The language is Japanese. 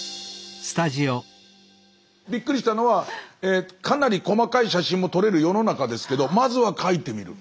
びっくりしたのはかなり細かい写真も撮れる世の中ですけどまずは描いてみる。